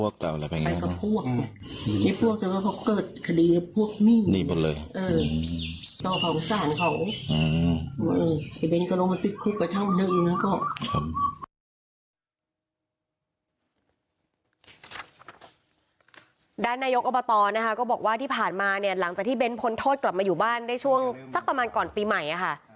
ด้านนายกรรมตอบบอกว่าที่ผ่านมาหลังจากที่เบ้นท์พ้นโทษกลับมาอยู่บ้านช่วงประมาณก่อนปีใหม่